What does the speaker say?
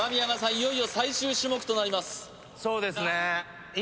いよいよ最終種目となりますそうですね